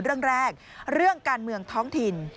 เรื่องแรกเรื่องการเมืองท้องถิ่น